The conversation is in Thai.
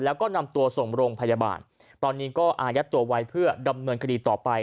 แล้วก็นำตัวส่งโรงพยาบาลตอนนี้ก็อายัดตัวไว้เพื่อดำเนินคดีต่อไป